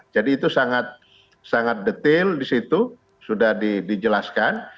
jadi itu sangat sangat detail di situ sudah dijelaskan